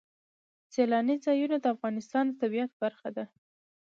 سیلانی ځایونه د افغانستان د طبیعت برخه ده.